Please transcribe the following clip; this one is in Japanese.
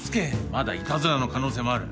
まだいたずらの可能性もある。